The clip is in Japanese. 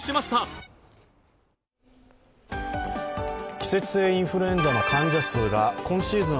季節性インフルエンザの患者数が今シーズン